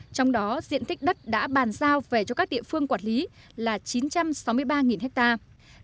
trong đó diện tích đất đã bàn giao về cho các địa phương quản lý là chín trăm sáu mươi ba hectare